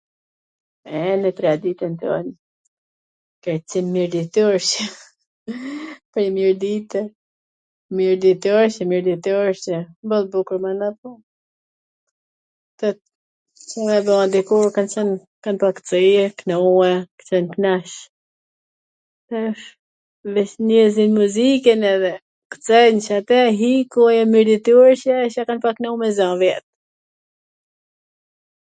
E, nw traditwn ton ka qwn mirditorCe, prej Mirdite, mirditorCe, mirditorCe, boll bukur, mana, po, kto, si me e ba, dikur kan qwn, kan pas kcy e knu e, jan knaq, nezin muzikwn edhe kcen Cata iku ajo mirditorCja q ata e kan pas knu me za vjet.